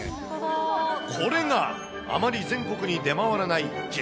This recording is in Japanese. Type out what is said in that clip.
これが、あまり全国に出回らない激